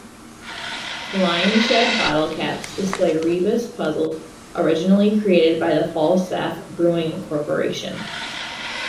"Lionshead" bottle caps display rebus puzzles originally created by the Falstaff Brewing Corporation.